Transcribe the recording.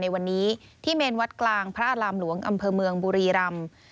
ในวันนี้ที่เมนวัดกลางพระอารามหลวงอำเภอเมืองบุรีรำ